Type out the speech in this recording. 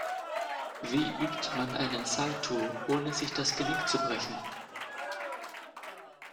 Wie übt man einen Salto, ohne sich das Genick zu brechen?